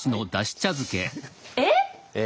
えっ！？